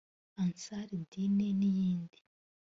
Ansar Dine n’iyindi